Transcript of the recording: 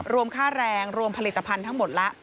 รวมค่าแรงรวมผลิตภัณฑ์ทั้งหมดละ